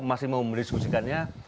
masih mau meriskusikannya